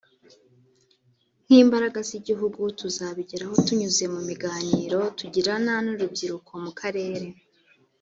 nk’imbaraga z’igihugu tuzabigeraho tunyuze mu miganiro tugirana n’urubyiruko mu karere